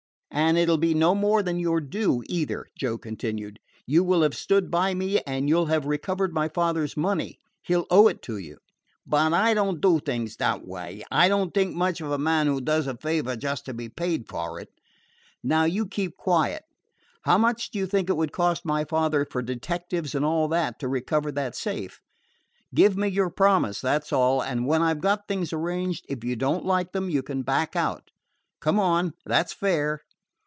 "And it 'll be no more than your due, either," Joe continued. "You will have stood by me, and you 'll have recovered my father's money. He 'll owe it to you." "But I don't do things that way. I don't think much of a man who does a favor just to be paid for it." "Now you keep quiet. How much do you think it would cost my father for detectives and all that to recover that safe? Give me your promise, that 's all, and when I 've got things arranged, if you don't like them you can back out. Come on; that 's fair."